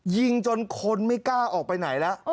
ยิงจนคนไม่กล้าออกไปไหนแล้ว